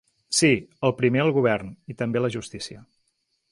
Sí, el primer el govern, i també la justícia.